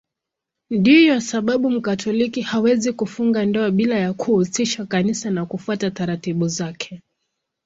Ndiyo sababu Mkatoliki hawezi kufunga ndoa bila ya kuhusisha Kanisa na kufuata taratibu zake.